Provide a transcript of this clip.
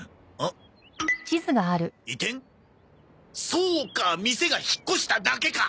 そうか店が引っ越しただけか。